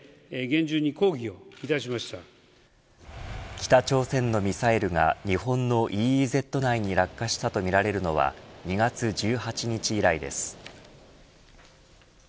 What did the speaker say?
北朝鮮のミサイルが日本のＥＥＺ内に落下したとみられるのは２月１８日以来です。